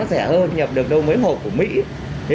đều có dấu hiệu giảm